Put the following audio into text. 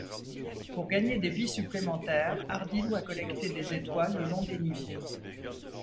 Pour gagner des vies supplémentaires, Ardy doit collecter des étoiles le long des niveaux.